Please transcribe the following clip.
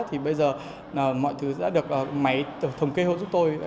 thì bây giờ mọi thứ đã được máy thống kê hỗ giúp tôi